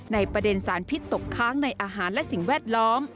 ในประเด็นสารพิษตกค้างในอาหารและสิ่งแวดล้อม